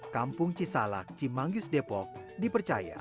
kampung cisalak cimanggis depok dipercaya